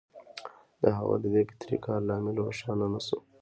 د هغه د دې فطري کار لامل روښانه نه شو